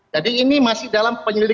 jadi ini masih dalam penelitian